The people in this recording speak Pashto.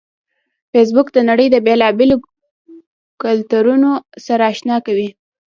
فېسبوک د نړۍ د بیلابیلو کلتورونو سره آشنا کوي